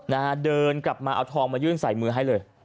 มาเอาทองมายื่นใส่มือให้เลย